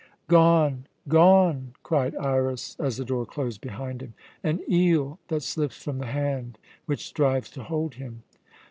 "Gone gone!" cried Iras as the door closed behind him. "An eel that slips from the hand which strives to hold him."